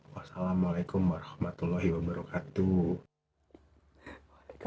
wassalamualaikum warahmatullahi wabarakatuh